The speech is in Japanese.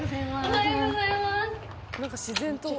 おはようございます。